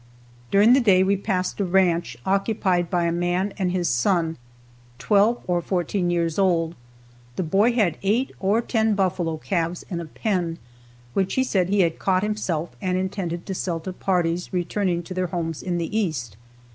During the day we passed a ranch, occupied by a man and his son, twelve or fourteen years old. The boy had eight or ten buffalo calves in a pen, which he said he had caught himself and intended to sell to parties returning to their homes in the East.